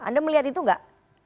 anda melihat itu enggak